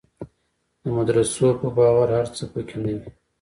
د مدرسو په باور هر څه په کې نه وي.